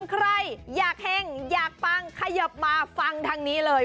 ใครอยากเห็งอยากปังขยบมาฟังทางนี้เลย